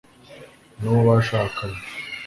n'uwo bashakanye